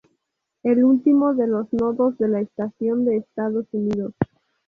El último de los nodos de la estación de Estados Unidos.